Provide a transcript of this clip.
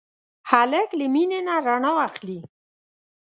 هلک له مینې نه رڼا اخلي.